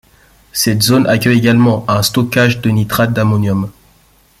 Cette zone accueille également un stockage de de nitrate d'ammonium.